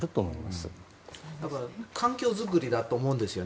ただ環境作りだと思うんですよね。